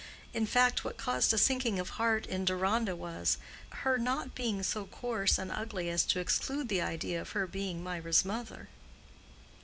In fact, what caused a sinking of heart in Deronda was her not being so coarse and ugly as to exclude the idea of her being Mirah's mother.